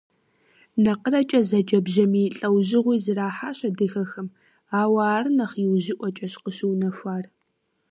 НакъырэкӀэ зэджэ бжьамий лӀэужьыгъуи зэрахьащ адыгэхэм, ауэ ар нэхъ иужьыӀуэкӀэщ къыщыунэхуар.